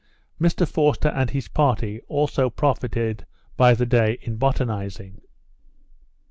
Mr Forster and his party also profited by the day in botanizing.